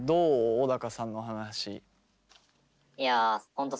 小高さんの話。